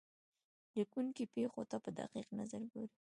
لیکونکی پېښو ته په دقیق نظر ګوري.